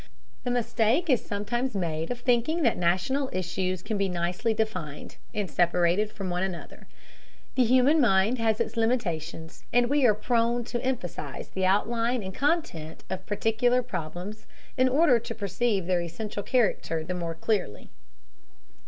The mistake is sometimes made of thinking that national issues can be nicely defined, and separated from one another. The human mind has its limitations, and we are prone to emphasize the outline and content of particular problems in order to perceive their essential character the more clearly.